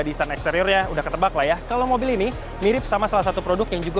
desain eksteriornya udah ketebak lah ya kalau mobil ini mirip sama salah satu produk yang juga